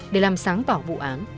để làm sáng bảo vụ án